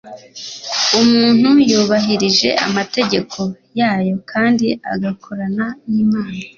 umuntu yubahirije amategeko yayo kandi agakorana n'imana